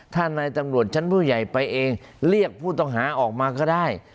ถ้านายตำรวจชั้นผู้ใหญ่ไปเองเรียกผู้ต้องหาออกมาก็ได้